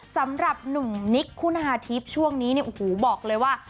สำหรับหนุ่มนิคคุณหาทีพช่วงนี้เนี่ยบอกเลยว่า